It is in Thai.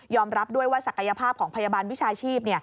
รับด้วยว่าศักยภาพของพยาบาลวิชาชีพ